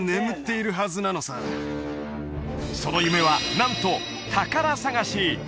その夢はなんと宝探し！